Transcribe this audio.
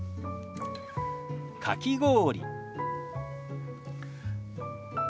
「かき氷」。